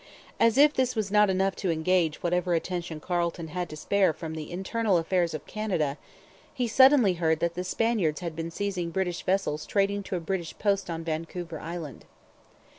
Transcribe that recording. As if this was not enough to engage whatever attention Carleton had to spare from the internal affairs of Canada, he suddenly heard that the Spaniards had been seizing British vessels trading to a British post on Vancouver Island.